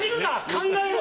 考えろ！